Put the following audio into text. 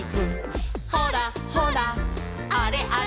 「ほらほらあれあれ」